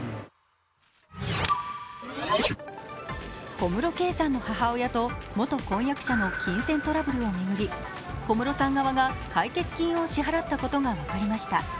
小室圭さんの母親と元婚約者の金銭トラブルを巡り、小室さん側が解決金を支払ったことが分かりました。